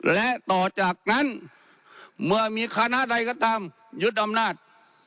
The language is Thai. และต่อจากนั้นเมื่อมีคณะใดก็ตามยึดอำนาจ